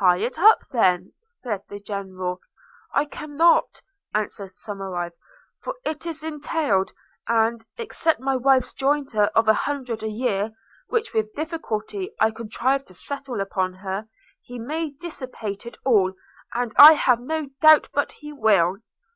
'Tie it up, then,' said the General. 'I cannot,' answered Somerive, 'for it is entailed, and, except my wife's jointure of an hundred a year, which with difficulty I contrived to settle upon her, he may dissipate it all, and I have no doubt but he will.'